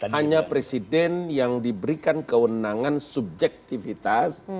hanya presiden yang diberikan kewenangan subjektivitas